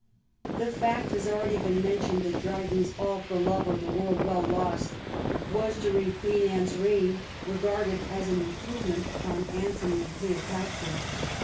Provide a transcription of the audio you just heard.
The fact has already been mentioned that Dryden's " All for Love, or the World well Lost *' was during Queen Anne's reign regarded as an improve ment upon " Antony and Cleopatra."